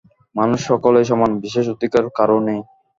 মানুষ সকলেই সমান, বিশেষ অধিকার কারও নেই।